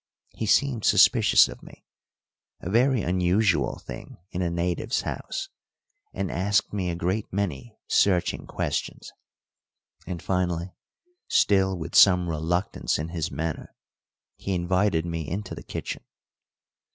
He seemed suspicious of me a very unusual thing in a native's house, and asked me a great many searching questions; and finally, still with some reluctance in his manner, he invited me into the kitchen.